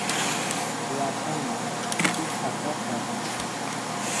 Flapan tí a akasá.